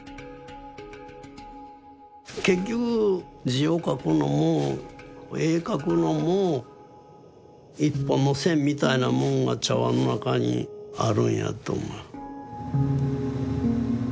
結局字を書くのも絵描くのも１本の線みたいなもんが茶碗の中にあるんやと思う。